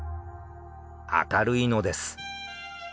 明るいのです。